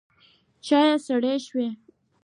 چای سوړ شوی